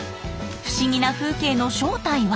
不思議な風景の正体は？